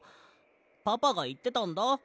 パパがいってたんだ。